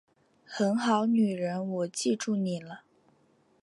很好，女人我记住你了